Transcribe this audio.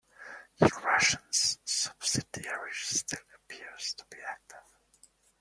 The Russian subsidiary still appears to be active.